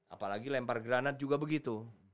apalagi lempar granat juga begitu